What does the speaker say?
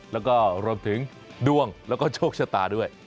แล้วก็รวมถึงดวงแล้วก็โชคชะตาด้วย